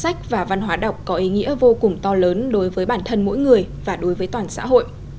sách và văn hóa đọc có ý nghĩa vô cùng to lớn đối với bản thân mỗi người và đối với toàn xã hội